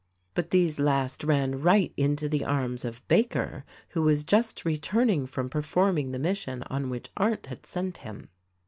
But these last ran right into the arms of Baker who was just returning from performing the mission on which Arndt had sent him.